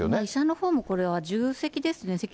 医者のほうもこれは重責ですね。